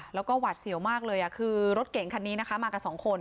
แล้วก็หวัดเสี่ยวมากเลยคือรถเก่งคันนี้นะคะมากับสองคน